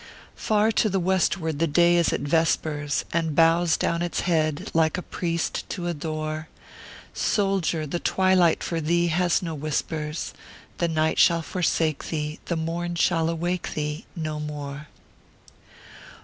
Far to the "Westward the day is at vespers, And bows down its head, like a priest, to adore ; Soldier, the twilight for theo has no whispers, The night shall forsake thee, the morn* shall awake thee No more.